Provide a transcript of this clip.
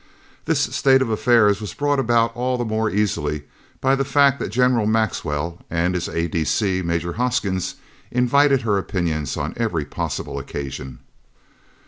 This state of affairs was brought about all the more easily by the fact that General Maxwell and his A.D.C., Major Hoskins, invited her opinions on every possible occasion.